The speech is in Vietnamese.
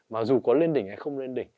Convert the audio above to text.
mà dù có lên đỉnh hay không lên đỉnh